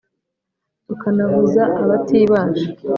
tukanavuza abatibasha